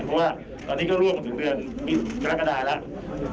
เพราะว่าตอนนี้ก็ร่วมถึงเวือนมิตรฯกระดายแล้ว